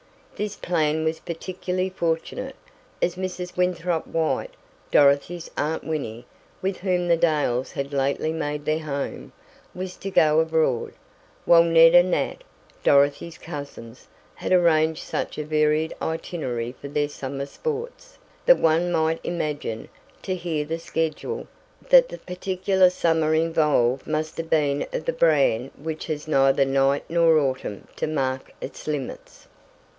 This plan was particularly fortunate, as Mrs. Winthrop White, Dorothy's Aunt Winnie, with whom the Dales had lately made their home, was to go abroad, while Ned and Nat, Dorothy's cousins, had arranged such a varied itinerary for their summer sports, that one might imagine, to hear the schedule, that the particular summer involved must have been of the brand which has neither night nor autumn to mark its limits.